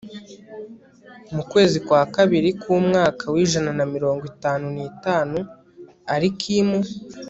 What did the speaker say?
mu kwezi kwa kabiri k'umwaka w'ijana na mirongo itanu n'itanu, alikimu